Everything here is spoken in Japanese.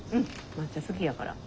抹茶好きやから。